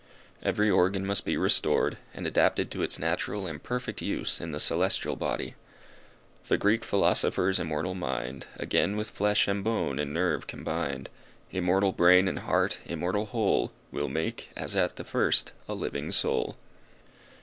Every organ must be restored, and adapted to its natural and perfect use in the celestial body. The Greek Philosopher's immortal mind, Again with flesh and bone and nerve combined; Immortal brain and heart immortal whole, Will make, as at the first, a living soul.